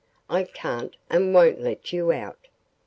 I can't and won't let you out.